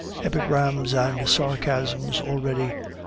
Epigrams and sarcasms already!